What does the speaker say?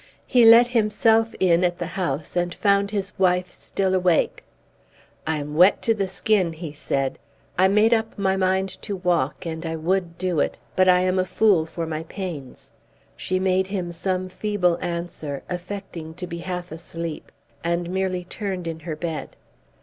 He let himself in at the house, and found his wife still awake. "I am wet to the skin," he said. "I made up my mind to walk, and I would do it; but I am a fool for my pains." She made him some feeble answer, affecting to be half asleep, and merely turned in her bed.